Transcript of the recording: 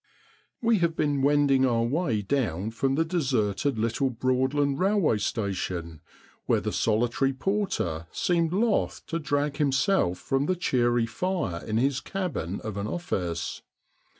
We have been wending our way down from the deserted little Broadland rail way station, where the solitary porter seemed loth to drag himself from the cheery fire in his cabin of an office.